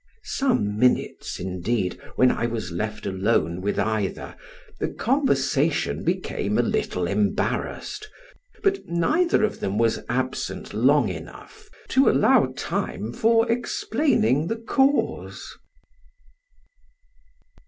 Some minutes, indeed, when I was left alone with either, the conversation became a little embarrassed, but neither of them was absent long enough to allow time for explaining the cause.